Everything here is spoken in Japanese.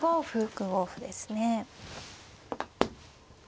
６五歩ですね。